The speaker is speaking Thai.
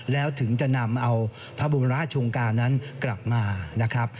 แล้วถึงจะนำเอาพระบรมราชงกานั้นกลับมานะครับ